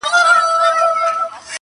ور کول مو پر وطن باندي سرونه!